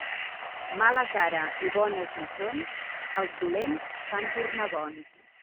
Mala cara i bones lliçons, als dolents fan tornar bons.